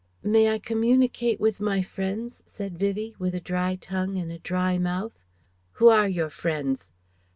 "May I communicate with my friends?" said Vivie, with a dry tongue in a dry mouth. "Who are your friends?"